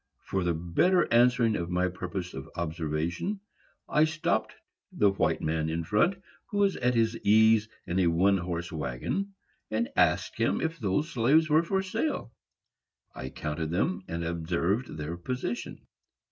For the better answering my purpose of observation, I stopped the white man in front, who was at his ease in a one horse wagon, and asked him if those slaves were for sale. I counted them and observed their position.